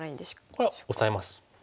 これはオサえます。